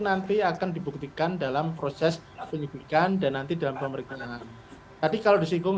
nanti akan dibuktikan dalam proses penyidikan dan nanti dalam pemeriksaan tadi kalau disinggung